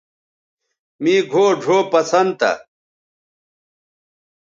مے گھؤ ڙھؤ پسند تھا